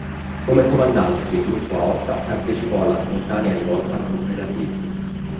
Come comandante del Gruppo Aosta partecipò alla spontanea rivolta contro i nazisti.